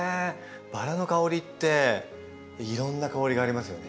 バラの香りっていろんな香りがありますよね。